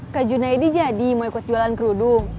kak junaidi jadi mau ikut jualan kerudung